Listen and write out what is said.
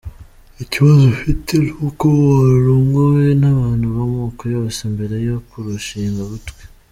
ikibazo ufite nuko warongowe n’abantu b’amoko yose mbere yo kurushinga, butwi.